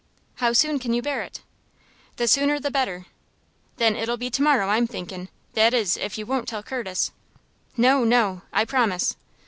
"How soon can you bear it?" "The sooner the better." "Then it'll be to morrow, I'm thinkin', that is if you won't tell Curtis." "No, no; I promise."